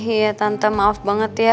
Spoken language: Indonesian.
iya tante maaf banget ya